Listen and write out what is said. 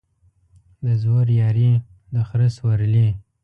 د زورياري ، د خره سورلى.